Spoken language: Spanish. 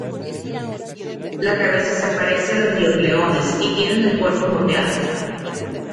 La cabeza se parece a la de los leones y tienen el cuerpo moteado.